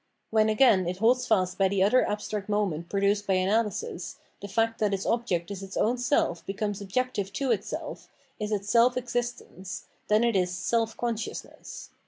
When again it holds fast by the other abstract moment produced by analysis, the fact that its object is its own self become objective to itself, is its self existence, then it is Self consciousness.